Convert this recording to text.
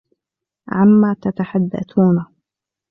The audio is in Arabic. عما تتحدثون؟